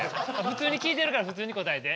普通に聞いてるから普通に答えて。